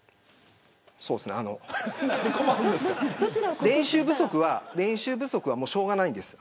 そうですね、あの、練習不足は練習不足はしょうがないんです。